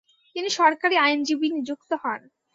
তিনি সরকারি আইনজীবী নিযুক্ত হন।